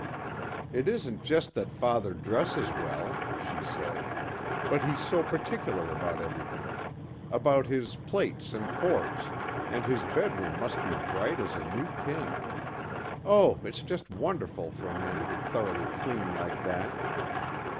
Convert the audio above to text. "It isn't just that father dresses well," she said, "but he's so particular about everything. About his plates and forks, and his bedroom must be bright as a new pin. Oh, it's just wonderful for a man to be thoroughly clean like that."